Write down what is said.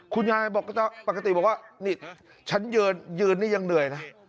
คุณยายบอกปกติบอกว่านี่ฉันยืนนี่ยังเหนื่อยนะ